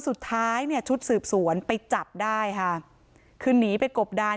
สุดท้ายเนี่ยชุดสืบสวนไปจับได้ค่ะคือหนีไปกบดาน